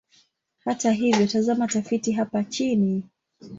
Hata hivyo, tazama tafiti hapa chini.